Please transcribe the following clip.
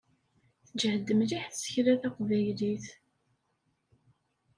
Teǧhed mliḥ tsekla taqbaylit.